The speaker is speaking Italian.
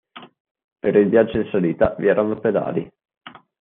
Per il viaggio in salita vi erano pedali.